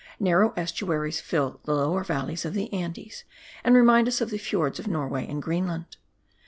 Narrow estuaries fill the lower valleys of the Andes, and remind us of the fjords of Norway and Greenland.